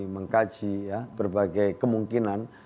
mengkaji berbagai kemungkinan